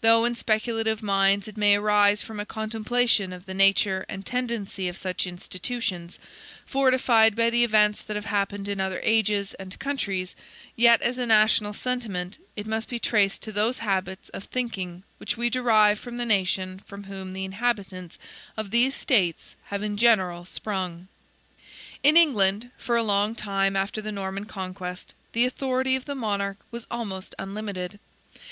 Though in speculative minds it may arise from a contemplation of the nature and tendency of such institutions, fortified by the events that have happened in other ages and countries, yet as a national sentiment, it must be traced to those habits of thinking which we derive from the nation from whom the inhabitants of these States have in general sprung. In England, for a long time after the Norman Conquest, the authority of the monarch was almost unlimited.